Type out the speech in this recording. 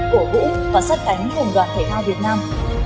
cổ vũ và sát cánh cùng đoàn thể thao việt nam